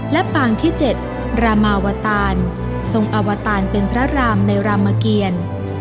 และปางที่๗รามาวตานทรงอวตารเป็นพระรามในรามเกียร